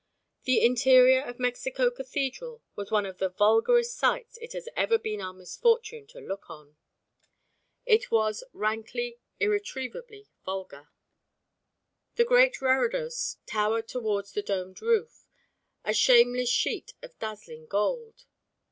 The interior of Mexico Cathedral was one of the vulgarest sights it has ever been our misfortune to look on. It was rankly, irretrievably vulgar. The great reredos towered towards the domed roof, a shameless sheet of dazzling gold.